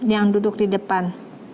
yang duduk di depan